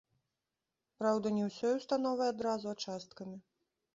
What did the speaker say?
Праўда, не ўсёй установай адразу, а часткамі.